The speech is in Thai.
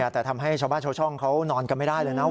แต่ทำให้ชาวบ้านชาวช่องเขานอนกันไม่ได้เลยนะ